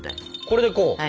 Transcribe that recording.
これでこう？